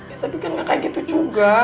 ya tapi kan gak kayak gitu juga